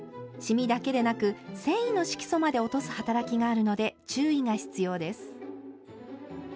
シミだけでなく繊維の色素まで落とす働きがあるので注意が必要です。